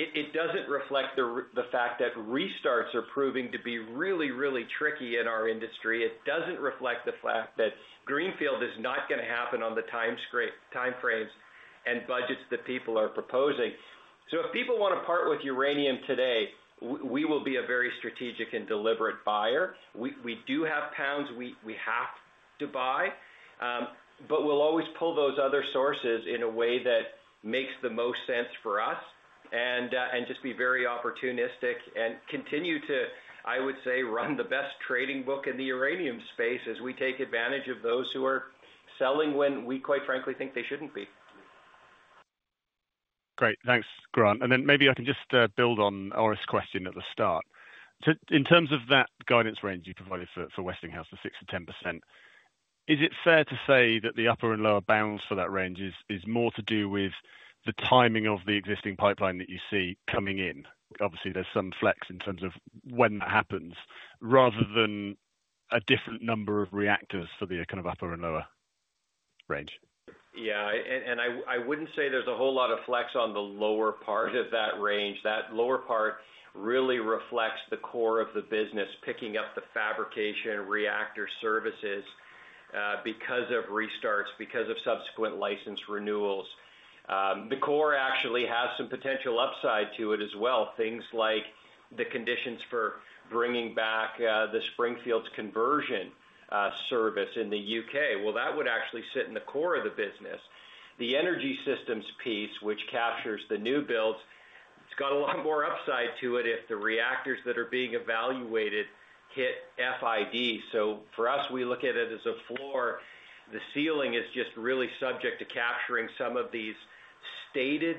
It doesn't reflect the fact that restarts are proving to be really, really tricky in our industry. It doesn't reflect the fact that greenfield is not going to happen on the timeframes and budgets that people are proposing. If people want to part with uranium today, we will be a very strategic and deliberate buyer. We do have pounds we have to buy, but we'll always pull those other sources in a way that makes the most sense for us and just be very opportunistic and continue to, I would say, run the best trading book in the uranium space as we take advantage of those who are selling when we, quite frankly, think they shouldn't be. Great. Thanks, Grant. Maybe I can just build on Orest's question at the start. In terms of that guidance range you provided for Westinghouse, the 6% to 10%, is it fair to say that the upper and lower bounds for that range is more to do with the timing of the existing pipeline that you see coming in? Obviously, there's some flex in terms of when that happens rather than a different number of reactors for the kind of upper and lower range. Yeah. I wouldn't say there's a whole lot of flex on the lower part of that range. That lower part really reflects the core of the business, picking up the fabrication reactor services because of restarts, because of subsequent license renewals. The core actually has some potential upside to it as well, things like the conditions for bringing back the Springfields conversion service in the U.K. That would actually sit in the core of the business. The energy systems piece, which captures the new builds, has a lot more upside to it if the reactors that are being evaluated hit FID. For us, we look at it as a floor. The ceiling is just really subject to capturing some of these stated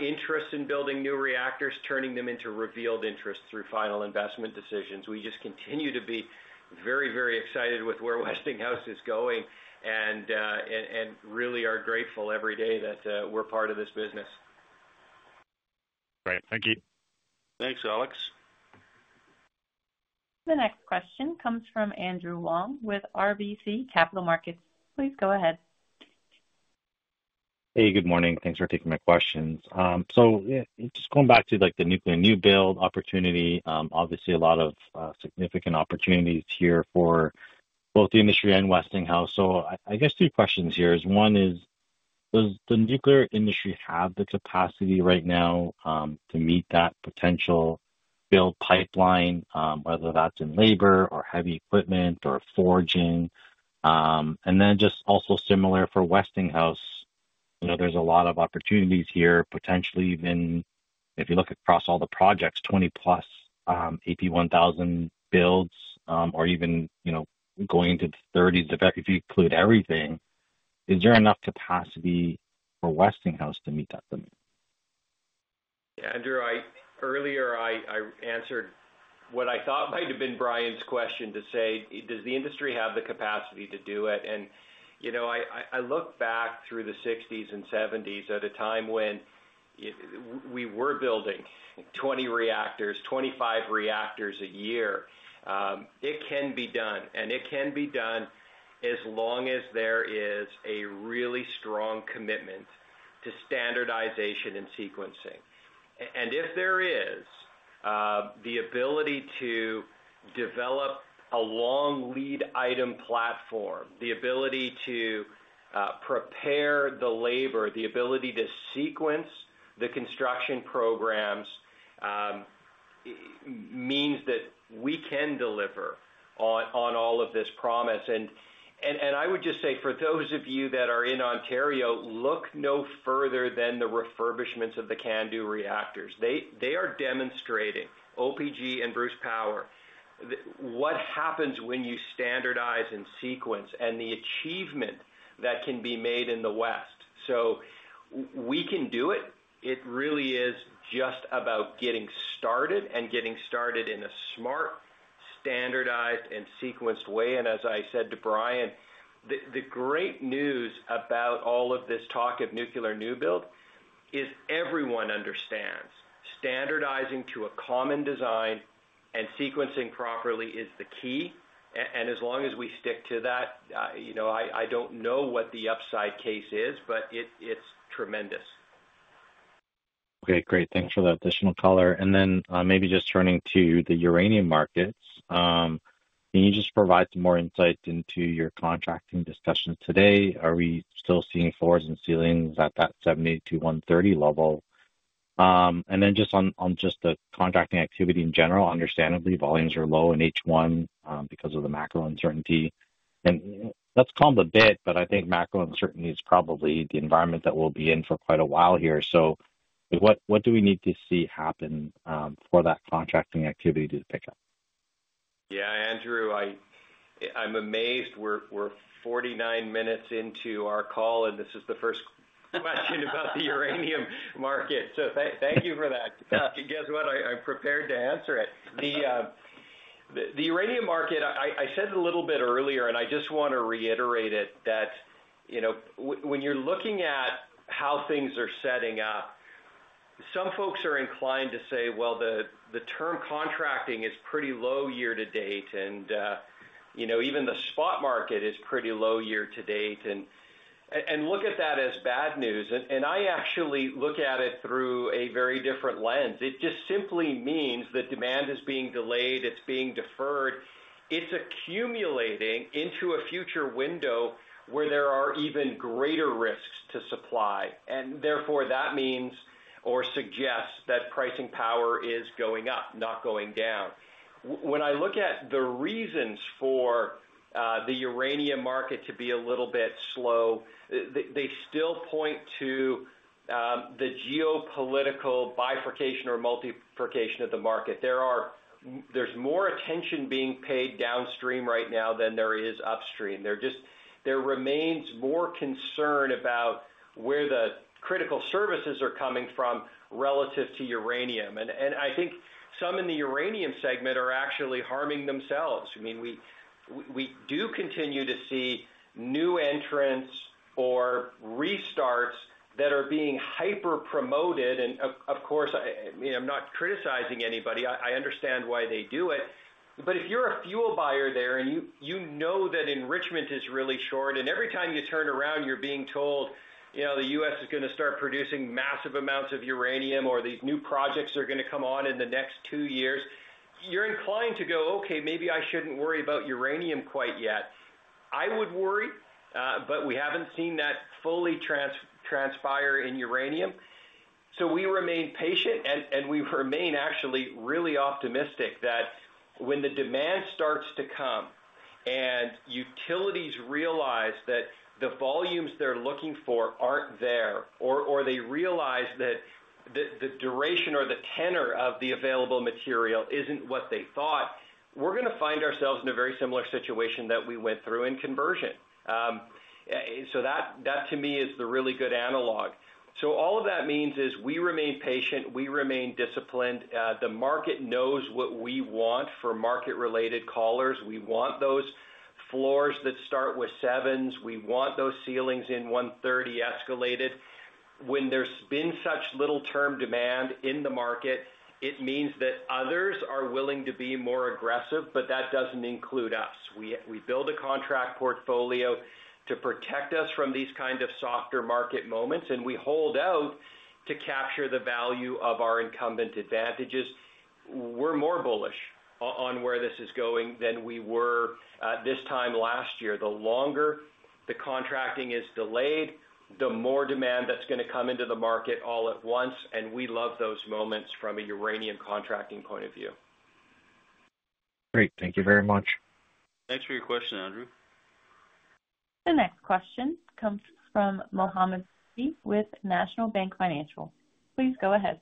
interests in building new reactors, turning them into revealed interests through final investment decisions. We just continue to be very, very excited with where Westinghouse is going and really are grateful every day that we're part of this business. Great. Thank you. Thanks, Alex. The next question comes from Andrew Wong with RBC Capital Markets. Please go ahead. Hey, good morning. Thanks for taking my questions. Just going back to the nuclear new build opportunity, obviously a lot of significant opportunities here for both the industry and Westinghouse. I guess two questions here. One, does the nuclear industry have the capacity right now to meet that potential build pipeline, whether that's in labor or heavy equipment or forging? Just also similar for Westinghouse, there's a lot of opportunities here, potentially even if you look across all the projects, 20-plus AP1000 builds, or even going into the 30s if you include everything. Is there enough capacity for Westinghouse to meet that demand? Yeah, Andrew, earlier I answered what I thought might have been Brian's question to say, does the industry have the capacity to do it? I look back through the '60s and '70s at a time when we were building 20 reactors, 25 reactors a year. It can be done. It can be done as long as there is a really strong commitment to standardization and sequencing. If there is the ability to develop a long lead item platform, the ability to prepare the labor, the ability to sequence the construction programs, it means that we can deliver on all of this promise. I would just say for those of you that are in Ontario, look no further than the refurbishments of the CANDU reactors. They are demonstrating OPG and Bruce Power, what happens when you standardize and sequence and the achievement that can be made in the West. We can do it. It really is just about getting started and getting started in a smart, standardized, and sequenced way. As I said to Brian, the great news about all of this talk of nuclear new build is everyone understands standardizing to a common design and sequencing properly is the key. As long as we stick to that, I don't know what the upside case is, but it's tremendous. Okay. Great. Thanks for the additional color. Maybe just turning to the uranium markets. Can you just provide some more insight into your contracting discussions today? Are we still seeing floors and ceilings at that $70 to $130 level? Just on the contracting activity in general, understandably, volumes are low in H1 because of the macro uncertainty. That's calmed a bit, but I think macro uncertainty is probably the environment that we'll be in for quite a while here. What do we need to see happen for that contracting activity to pick up? Yeah, Andrew. I'm amazed. We're 49 minutes into our call, and this is the first question about the uranium market. Thank you for that. Guess what? I'm prepared to answer it. The uranium market, I said a little bit earlier, and I just want to reiterate it, that when you're looking at how things are setting up, some folks are inclined to say, "Well, the term contracting is pretty low year to date, and. Even the spot market is pretty low year-to-date," and look at that as bad news. I actually look at it through a very different lens. It just simply means that demand is being delayed. It's being deferred. It's accumulating into a future window where there are even greater risks to supply. That means or suggests that pricing power is going up, not going down. When I look at the reasons for the uranium market to be a little bit slow, they still point to the geopolitical bifurcation or multiplication of the market. There's more attention being paid downstream right now than there is upstream. There remains more concern about where the critical services are coming from relative to uranium. I think some in the uranium segment are actually harming themselves. We do continue to see new entrants or restarts that are being hyper-promoted. Of course, I'm not criticizing anybody. I understand why they do it. If you're a fuel buyer there and you know that enrichment is really short, and every time you turn around, you're being told the U.S. is going to start producing massive amounts of uranium or these new projects are going to come on in the next two years, you're inclined to go, "Okay, maybe I shouldn't worry about uranium quite yet." I would worry, but we haven't seen that fully transpire in uranium. We remain patient, and we remain actually really optimistic that when the demand starts to come and utilities realize that the volumes they're looking for aren't there, or they realize that the duration or the tenor of the available material isn't what they thought, we're going to find ourselves in a very similar situation that we went through in conversion. That, to me, is the really good analog. All of that means we remain patient. We remain disciplined. The market knows what we want for market-related callers. We want those floors that start with sevens. We want those ceilings in $130 escalated. When there's been such little term demand in the market, it means that others are willing to be more aggressive, but that doesn't include us. We build a contract portfolio to protect us from these kinds of softer market moments, and we hold out to capture the value of our incumbent advantages. We're more bullish on where this is going than we were this time last year. The longer the contracting is delayed, the more demand that's going to come into the market all at once. We love those moments from a uranium contracting point of view. Great. Thank you very much. Thanks for your question, Andrew. The next question comes from Mohamed Sidibe with National Bank Financial Inc. Please go ahead.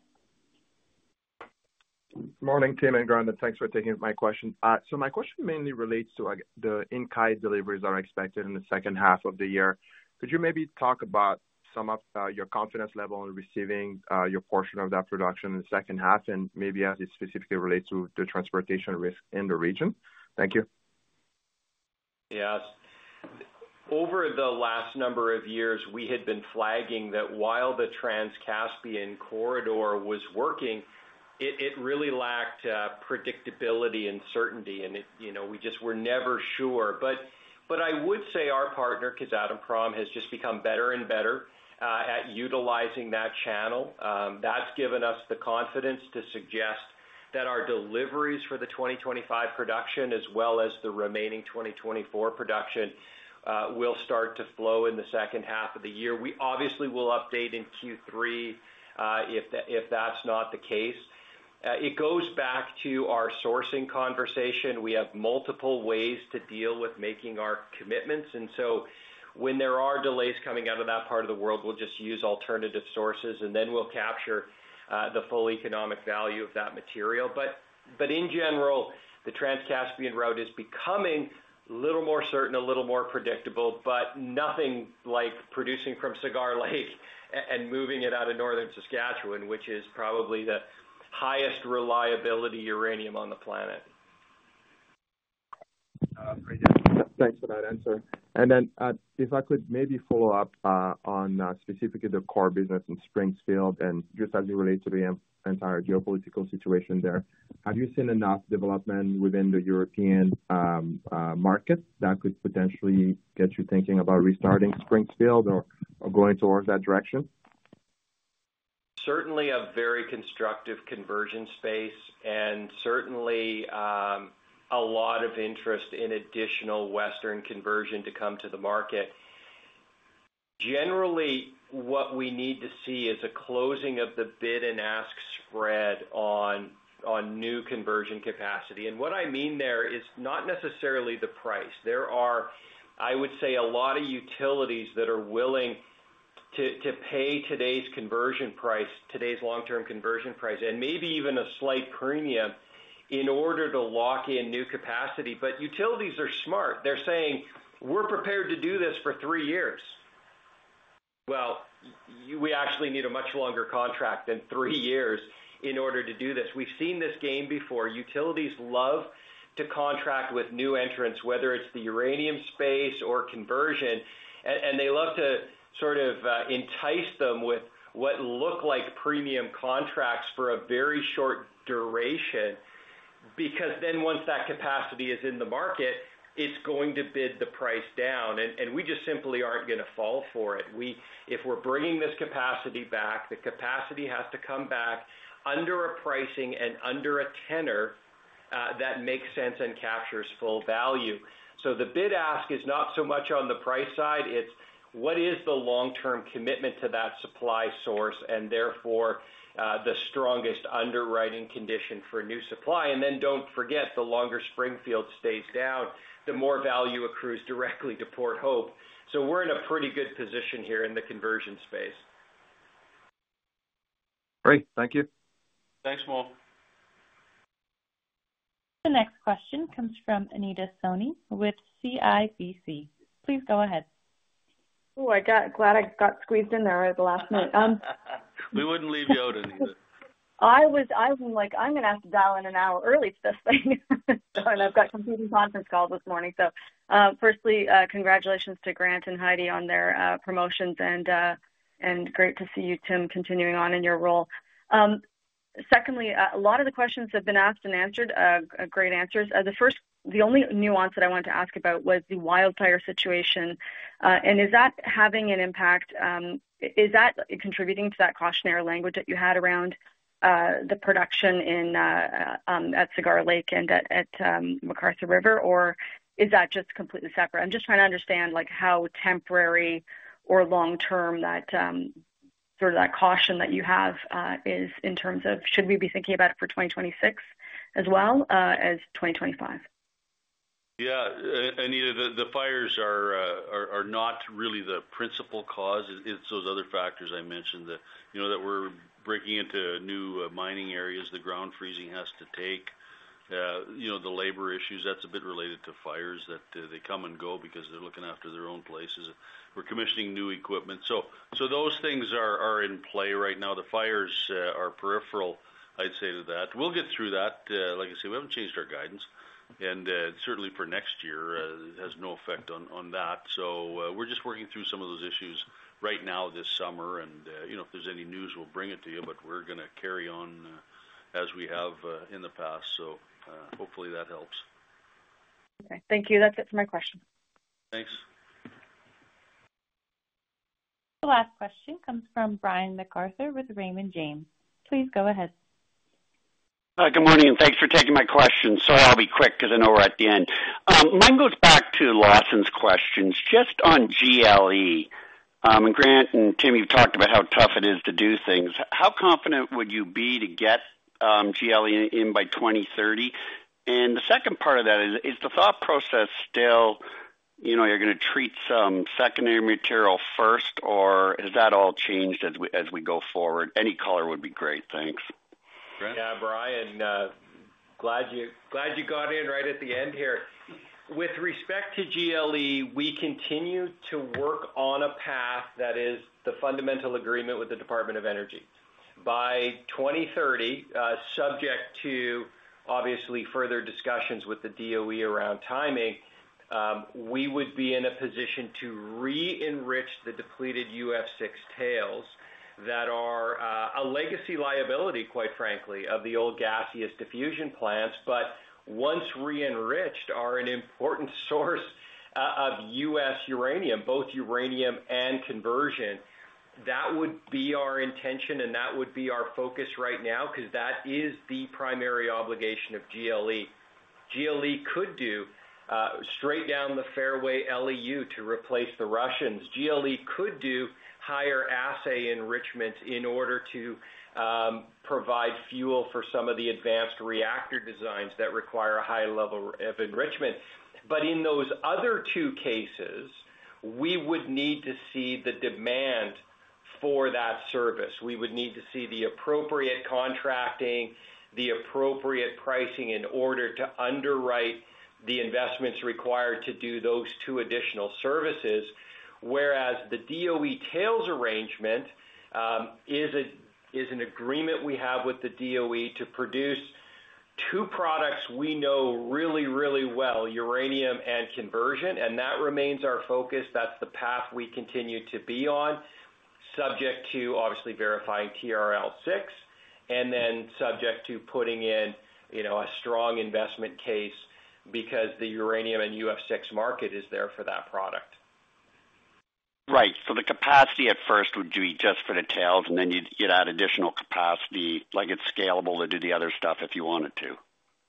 Morning, Tim and Grant. Thanks for taking my question. My question mainly relates to the Inkai deliveries that are expected in the second half of the year. Could you maybe talk about some of your confidence level in receiving your portion of that production in the second half and maybe as it specifically relates to the transportation risk in the region? Thank you. Yes. Over the last number of years, we had been flagging that while the Trans-Caspian Corridor was working, it really lacked predictability and certainty, and we just were never sure. I would say our partner, Kazatomprom, has just become better and better at utilizing that channel. That's given us the confidence to suggest that our deliveries for the 2025 production, as well as the remaining 2024 production, will start to flow in the second half of the year. We obviously will update in Q3 if that's not the case. It goes back to our sourcing conversation. We have multiple ways to deal with making our commitments. When there are delays coming out of that part of the world, we'll just use alternative sources, and then we'll capture the full economic value of that material. In general, the Trans-Caspian route is becoming a little more certain, a little more predictable, but nothing like producing from Cigar Lake and moving it out of Northern Saskatchewan, which is probably the highest reliability uranium on the planet. Thanks for that answer. If I could maybe follow up on specifically the core business in Springfields and just as it relates to the entire geopolitical situation there, have you seen enough development within the European market that could potentially get you thinking about restarting Springfields or going towards that direction? Certainly a very constructive conversion space and certainly a lot of interest in additional Western conversion to come to the market. Generally, what we need to see is a closing of the bid-and-ask spread on new conversion capacity. What I mean there is not necessarily the price. There are, I would say, a lot of utilities that are willing to pay today's conversion price, today's long-term conversion price, and maybe even a slight premium in order to lock in new capacity. Utilities are smart. They're saying, "We're prepared to do this for three years." We actually need a much longer contract than three years in order to do this. We've seen this game before. Utilities love to contract with new entrants, whether it's the uranium space or conversion, and they love to sort of entice them with what look like premium contracts for a very short duration. Because once that capacity is in the market, it's going to bid the price down. We just simply aren't going to fall for it. If we're bringing this capacity back, the capacity has to come back under a pricing and under a tenor that makes sense and captures full value. The bid-ask is not so much on the price side. It's what is the long-term commitment to that supply source and therefore the strongest underwriting condition for new supply. Don't forget, the longer Springfield stays down, the more value accrues directly to Port Hope. We're in a pretty good position here in the conversion space. Great. Thank you. Thanks, Mole. The next question comes from Anita Soni with CIBC Capital Markets. Please go ahead. I'm glad I got squeezed in there at the last minute. We wouldn't leave you out, Anita. I was like, "I'm going to have to dial in an hour early to this thing." I've got competing conference calls this morning. Firstly, congratulations to Grant and Heidi on their promotions. Great to see you, Tim, continuing on in your role. Secondly, a lot of the questions have been asked and answered, great answers. The only nuance that I wanted to ask about was the wildfire situation. Is that having an impact? Is that contributing to that cautionary language that you had around the production at Cigar Lake and at McArthur River, or is that just completely separate? I'm just trying to understand how temporary or long-term that sort of caution that you have is in terms of should we be thinking about it for 2026 as well as 2025? Yeah. Anita, the fires are not really the principal cause. It's those other factors I mentioned that we're breaking into new mining areas. The ground freezing has to take. The labor issues, that's a bit related to fires, that they come and go because they're looking after their own places. We're commissioning new equipment. Those things are in play right now. The fires are peripheral, I'd say, to that. We'll get through that. Like I say, we haven't changed our guidance. Certainly for next year, it has no effect on that. We're just working through some of those issues right now this summer. If there's any news, we'll bring it to you, but we're going to carry on as we have in the past. Hopefully that helps. Thank you. That's it for my question. Thanks. The last question comes from Brian MacArthur with Raymond James. Please go ahead. Good morning and thanks for taking my question. Sorry, I'll be quick because I know we're at the end. Mine goes back to Lawson's questions. Just on GLE. Grant and Tim, you've talked about how tough it is to do things. How confident would you be to get GLE in by 2030? The second part of that is, is the thought process still you're going to treat some secondary material first, or has that all changed as we go forward? Any color would be great. Thanks. Yeah, Brian. Glad you got in right at the end here. With respect to GLE, we continue to work on a path that is the fundamental agreement with the Department of Energy. By 2030, subject to obviously further discussions with the DOE around timing, we would be in a position to re-enrich the depleted UF6 tails that are a legacy liability, quite frankly, of the old gaseous diffusion plants, but once re-enriched, are an important source of U.S. uranium, both uranium and conversion. That would be our intention, and that would be our focus right now because that is the primary obligation of GLE. GLE could do straight down the fairway LEU to replace the Russians. GLE could do higher assay enrichment in order to provide fuel for some of the advanced reactor designs that require a high level of enrichment. In those other two cases, we would need to see the demand for that service. We would need to see the appropriate contracting, the appropriate pricing in order to underwrite the investments required to do those two additional services. The DOE tails arrangement is an agreement we have with the DOE to produce two products we know really, really well, uranium and conversion, and that remains our focus. That's the path we continue to be on, subject to obviously verifying TRL-6 and then subject to putting in a strong investment case because the uranium and UF6 market is there for that product. Right. The capacity at first would be just for the tails, and then you'd get additional capacity like it's scalable to do the other stuff if you wanted to.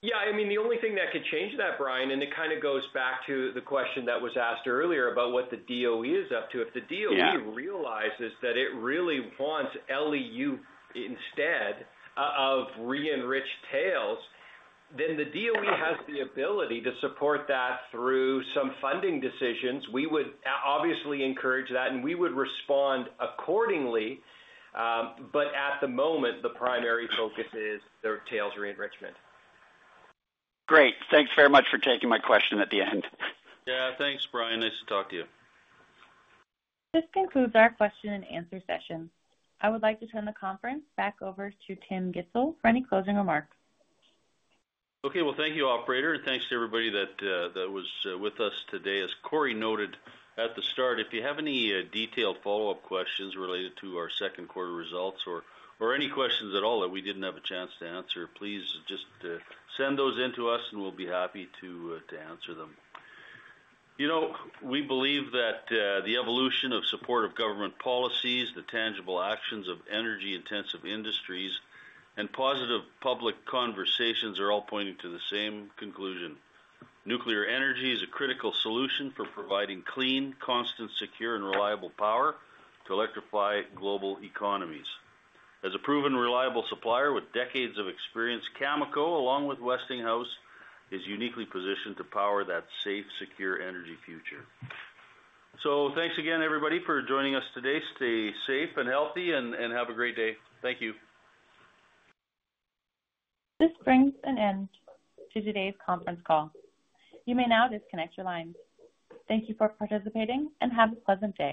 Yeah. I mean, the only thing that could change that, Brian, and it kind of goes back to the question that was asked earlier about what the DOE is up to. If the DOE realizes that it really wants LEU instead of re-enriched tails, then the DOE has the ability to support that through some funding decisions. We would obviously encourage that, and we would respond accordingly. At the moment, the primary focus is their tails re-enrichment. Great. Thanks very much for taking my question at the end. Yeah. Thanks, Brian. Nice to talk to you. This concludes our question and answer session. I would like to turn the conference back over to Tim Gitzel for any closing remarks. Thank you, Operator, and thanks to everybody that was with us today. As Cory noted at the start, if you have any detailed follow-up questions related to our second quarter results or any questions at all that we didn't have a chance to answer, please just send those into us, and we'll be happy to answer them. We believe that the evolution of supportive government policies, the tangible actions of energy-intensive industries, and positive public conversations are all pointing to the same conclusion. Nuclear energy is a critical solution for providing clean, constant, secure, and reliable power to electrify global economies. As a proven reliable supplier with decades of experience, Cameco, along with Westinghouse Electric Company, is uniquely positioned to power that safe, secure energy future. Thanks again, everybody, for joining us today. Stay safe and healthy, and have a great day. Thank you. This brings an end to today's conference call. You may now disconnect your line. Thank you for participating and have a pleasant day.